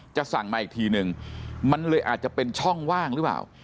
สั่งมาอีกทีนึงมันเลยอาจจะเป็นช่องว่างหรือเปล่า